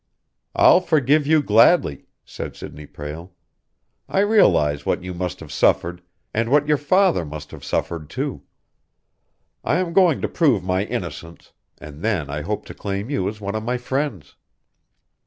"I'll forgive you gladly," said Sidney Prale. "I realize what you must have suffered, and what your father must have suffered, too. I am going to prove my innocence; and then I hope to claim you as one of my friends."